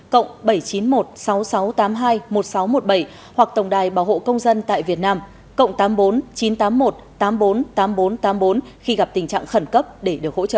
cộng bảy trăm chín mươi một sáu nghìn sáu trăm tám mươi hai một nghìn sáu trăm một mươi bảy hoặc tổng đài bảo hộ công dân tại việt nam cộng tám mươi bốn chín trăm tám mươi một tám trăm bốn mươi tám nghìn bốn trăm tám mươi bốn khi gặp tình trạng khẩn cấp để được hỗ trợ